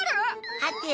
はて？